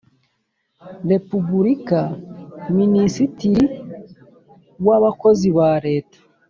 Repubulika Minisitiri w Abakozi ba Leta